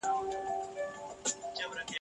او بیا نو واه واه ورته ووايي !.